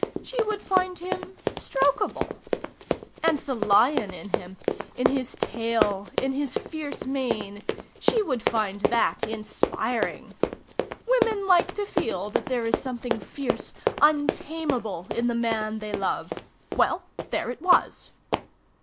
She would find him strokable. ... And the lion in him ... in his tail, his fierce mane ... she would find that inspiring. Women like to feel that there is something fierce, untamable in the man they love; well, there it was.